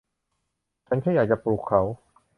ฉันแค่อยากจะปลุกเขา